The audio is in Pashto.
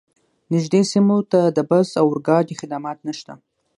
نږدې سیمو ته د بس او اورګاډي خدمات نشته